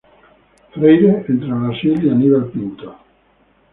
Freire entre Brasil y Aníbal Pinto.